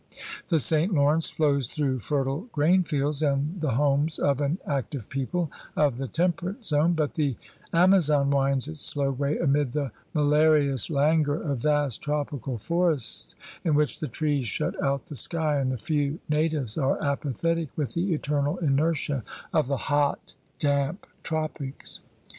The St. Lawrence flows through fertile grain fields and the homes of an active people of the temperate zone, but the Ama zon winds its slow way amid the malarious languor of vast tropical forests in which the trees shut out the sky and the few natives are apathetic with the eternal inertia of the hot, damp tropics.